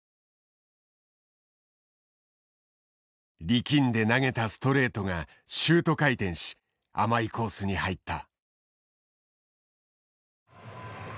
力んで投げたストレートがシュート回転し甘いコースに入った。